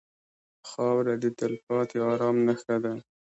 خاوره د تلپاتې ارام نښه ده.